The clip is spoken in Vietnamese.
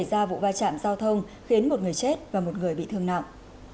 cảm ơn các bạn đã theo dõi và hẹn gặp lại